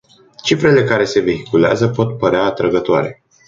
Cifrele care se vehiculează pot părea atrăgătoare.